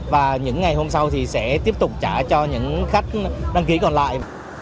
và những ngày hôm sau thì sẽ tiếp tục trả cho những khách đăng ký còn lại